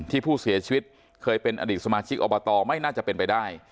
ที่ผู้เสียชีวิตเคยเป็นอดีตสมาชิกอบตไม่น่าจะเป็นไปได้